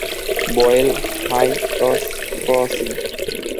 Boil Heights crossing.